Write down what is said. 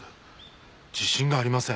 自信がありません。